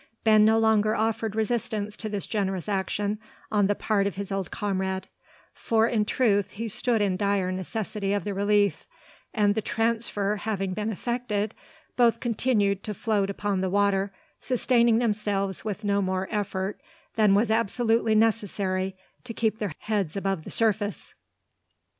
Ben no longer offered resistance to this generous action on the part of his old comrade: for, in truth, he stood in dire necessity of the relief; and, the transfer having been effected, both continued to float upon the water, sustaining themselves with no more effort than was absolutely necessary to keep their heads above the surface.